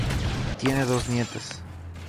Tiene dos nietas.